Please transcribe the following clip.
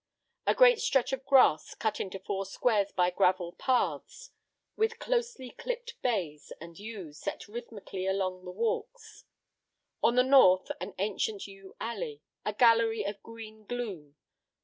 A great stretch of grass cut into four squares by gravel paths, with closely clipped bays and yews set rhythmically along the walks. On the north, an ancient yew alley, a gallery of green gloom.